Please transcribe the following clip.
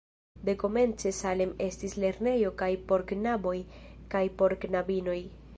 Dekomence Salem estis lernejo kaj por knaboj kaj por knabinoj.